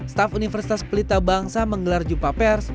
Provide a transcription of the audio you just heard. staf universitas pelita bangsa menggelar jumpa pers